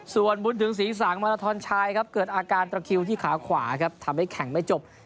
ส่วนบุญถึงศรีสางมาราทอนชายครับเกิดอาการตระคิวที่ขาขวาครับทำให้แข่งไม่จบ